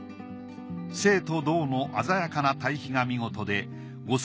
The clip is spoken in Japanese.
静と動の鮮やかな対比が見事で五彩